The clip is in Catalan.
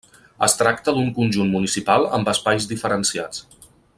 Es tracta d'un conjunt municipal amb espais diferenciats.